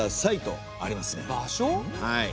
はい。